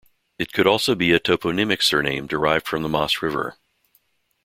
It could also be a toponymic surname derived from the Maas river.